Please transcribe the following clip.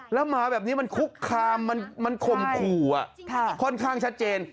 แล้วหมาแบบนี้มันคุกคามมันข่มขู่ค่อนข้างชัดเจน